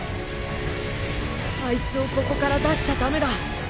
あいつをここから出しちゃ駄目だ。